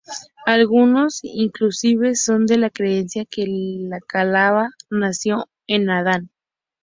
Algunos, inclusive, son de la creencia que la cábala nació con Adán.